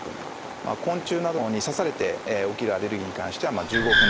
昆虫などに刺されて起きるアレルギーに関しては１５分程度。